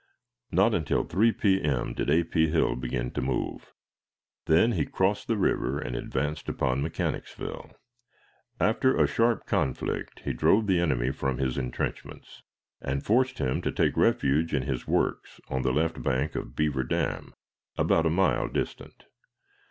Not until 3 P.M. did A. P. Hill begin to move. Then he crossed the river and advanced upon Mechanicsville. After a sharp conflict he drove the enemy from his intrenchments, and forced him to take refuge in his works, on the left bank of Beaver Dam, about a mile distant.